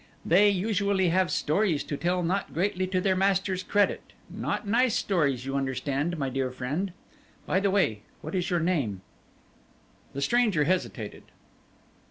They usually have stories to tell not greatly to their masters' credit, not nice stories, you understand, my dear friend. By the way, what is your name?" The stranger hesitated.